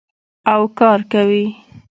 او کار کوي.